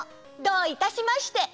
どういたしまして！